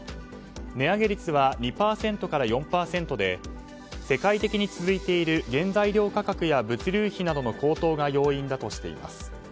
値上げ率は２％から４％で世界的に続いている原材料価格や物流費などの高騰が要因だとしています。